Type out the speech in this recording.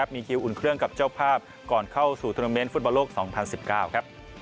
มีคิวอุ่นเคลื่องกับเจ้าภาพก่อนเข้าสู่ธนเวรฟุตบอลโลก๒๐๑๙